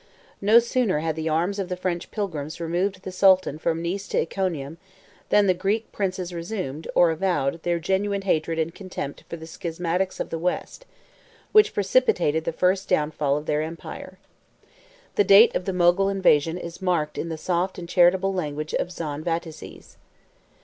No sooner had the arms of the French pilgrims removed the sultan from Nice to Iconium, than the Greek princes resumed, or avowed, their genuine hatred and contempt for the schismatics of the West, which precipitated the first downfall of their empire. The date of the Mogul invasion is marked in the soft and charitable language of John Vataces.